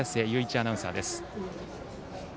アナウンサーです。